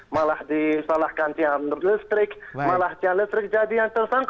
malah disalahkan tian listrik